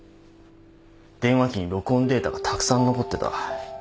電話機に録音データがたくさん残ってた。